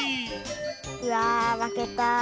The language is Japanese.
うわまけた。